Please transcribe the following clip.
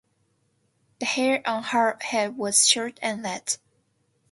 The hair on her head was short and red.